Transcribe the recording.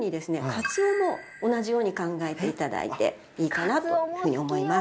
カツオも同じように考えていただいていいかなというふうに思います